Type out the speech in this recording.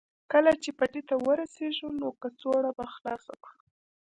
کله چې پټي ته ورسېږو نو کڅوړه به خلاصه کړو